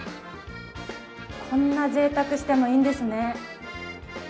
こんなぜいたくしてもいいんですね。